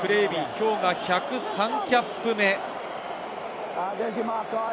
きょうが１０３キャップ目。